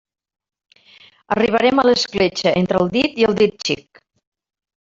Arribarem a l'escletxa entre el Dit i el Dit Xic.